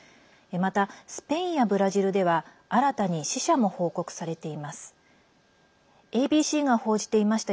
また、スペインやブラジルでは新たに死者も報告されています。